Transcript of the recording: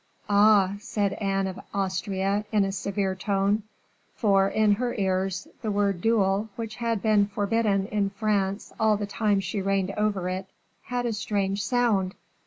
"Ah!" said Anne of Austria, in a severe tone; for, in her ears, the word "duel," which had been forbidden in France all the time she reigned over it, had a strange sound.